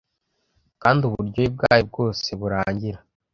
Kandi uburyohe bwayo bwose burangira.